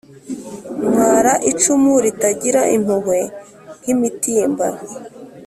Ntwara icumu ritagira impuhwe nk'imitimba